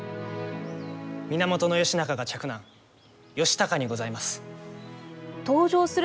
源義仲が嫡男義高にございます。